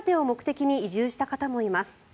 また、子育てを目的に移住した方もいます。